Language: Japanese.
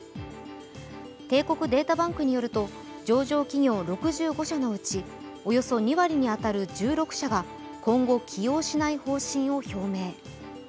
帝国データバンクによると上場企業６５社のうちおよそ２割に当たる１６社が今後起用しない方針を表明。